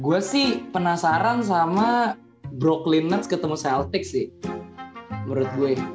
gue sih penasaran sama brooklyn nuts ketemu celtics sih menurut gue